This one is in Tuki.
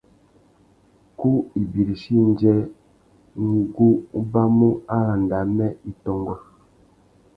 Ku ibirichi indjê, ngu ubamú arandissaki amê i tôngô.